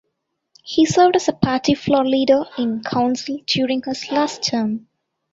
He served as a Party Floor Leader in council during his last term.